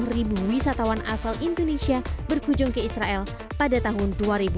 dua puluh ribu wisatawan asal indonesia berkunjung ke israel pada tahun dua ribu dua